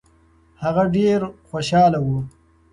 هغه ډېر خوشاله و.